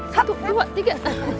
satu dua tiga